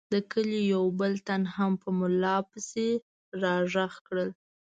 د کلي یو بل تن هم په ملا پسې را غږ کړل.